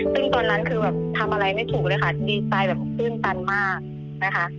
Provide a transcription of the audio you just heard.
ซึ่งตอนนั้นคือแบบทำอะไรไม่ถูกเลยค่ะดีใจแบบตื้นตันมากนะคะ